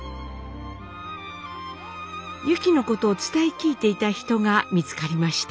ユキのことを伝え聞いていた人が見つかりました。